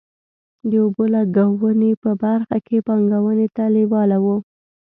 د اوبو لګونې په برخه کې پانګونې ته لېواله وو.